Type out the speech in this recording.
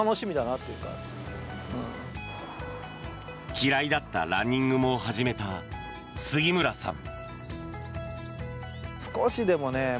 嫌いだったランニングも始めた杉村さん。